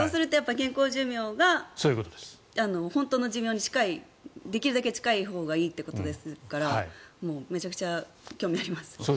健康寿命が本当の寿命に近いできるだけ近いほうがいいということですからめちゃくちゃ興味があります。